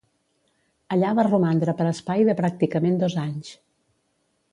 Allà va romandre per espai de pràcticament dos anys.